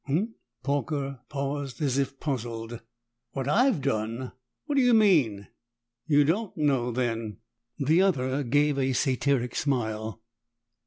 "Huh?" Horker paused as if puzzled. "What I've done? What do you mean?" "You don't know, then." The other gave a satyric smile.